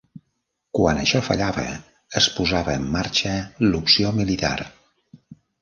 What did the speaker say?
Quan això fallava, es posava en marxa l'opció militar.